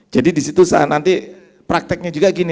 jadi disitu saat nanti prakteknya juga gini